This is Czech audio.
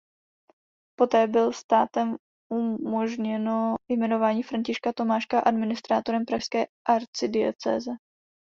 Poté byl státem umožněno jmenování Františka Tomáška administrátorem pražské arcidiecéze.